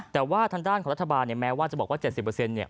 แต่ว่าทางด้านของรัฐบาลเนี่ยแม้ว่าจะบอกว่า๗๐เนี่ย